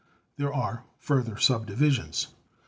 There are further subdivisions.